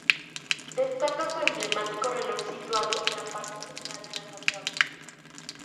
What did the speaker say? Destaca su emblemático reloj situado en la parte central de la fachada.